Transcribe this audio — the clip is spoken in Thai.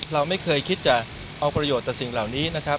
เราไม่เคยคิดจะเอาประโยชน์ต่อสิ่งเหล่านี้นะครับ